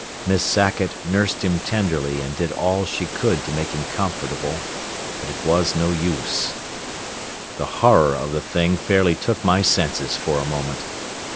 Miss Sackett nursed him tenderly and did all she could to make him comfortable, but it was no use. The horror of the thing fairly took my senses for a moment.